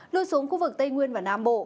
lưu xuống khu vực tây nguyên và nam bộ